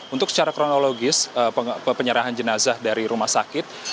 untuk secara kronologis penyerahan jenazah dari rumah sakit